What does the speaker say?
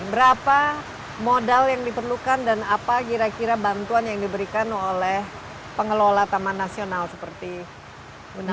berapa modal yang diperlukan dan apa kira kira bantuan yang diberikan oleh pengelola taman nasional seperti gunawan